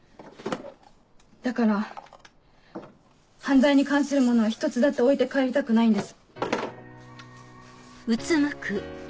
だから犯罪に関するものは１つだって置いて帰りたくないんです。